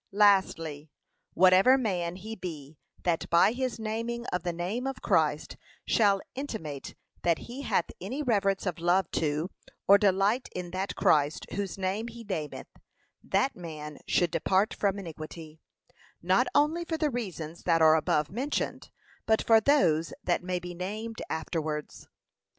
Lastly, Whatever man he be that by his naming of the name of Christ shall intimate that he hath any reverence of love to, or delight in that Christ, whose name he nameth, that man should depart from iniquity, not only for the reasons that are above mentioned, but for those that may be named afterwards.